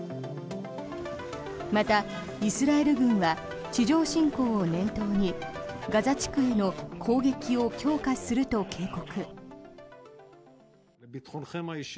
またイスラエル軍は地上侵攻を念頭にガザ地区への攻撃を強化すると警告。